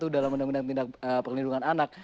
dalam undang undang tindak perlindungan anak